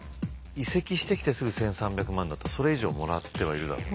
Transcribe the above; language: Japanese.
移籍してきてすぐ１，３００万だったらそれ以上もらってはいるだろうね。